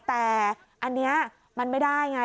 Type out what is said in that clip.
แต่อันนี้มันไม่ได้ไง